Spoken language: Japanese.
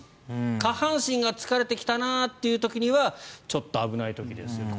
下半身が疲れてきたなという時にはちょっと危ない時ですよと。